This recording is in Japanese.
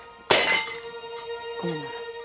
ごめんなさい。